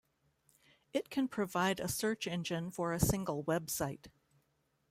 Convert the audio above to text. It can provide a search engine for a single website.